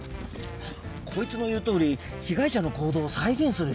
こいつの言うとおり被害者の行動を再現する必要ある。